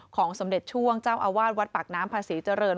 สมเด็จช่วงเจ้าอาวาสวัดปากน้ำภาษีเจริญ